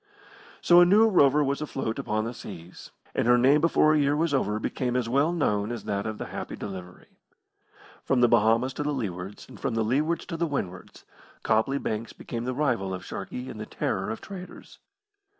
So a new rover was afloat upon the seas, and her name before a year was over became as well known as that of the Happy Delivery. From the Bahamas to the Leewards, and from the Leewards to the Windwards, Copley Banks became the rival of Sharkey and the terror of traders.